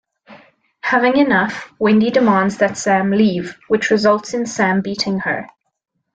Having enough, Wendy demands that Sam leave, which results In Sam beating her.